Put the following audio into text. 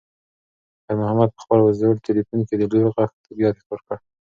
خیر محمد په خپل زوړ تلیفون کې د لور غږ بیا تکرار کړ.